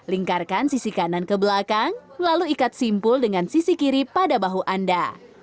lingkarkan sisi kanan ke belakang lalu ikat simpul dengan sisi kiri pada bahu anda